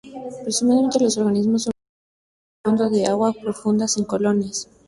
Presuntamente, los organismos sobrevivieron en el fondo de aguas profundas en colonias.